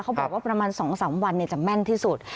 เขาบอกว่าประมาณ๒๓วันจะแม่นที่สุด